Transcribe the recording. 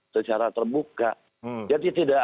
secara terbuka jadi tidak